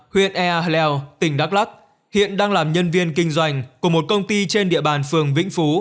huyện ea leo tỉnh đắk lắc hiện đang làm nhân viên kinh doanh của một công ty trên địa bàn phường vĩnh phú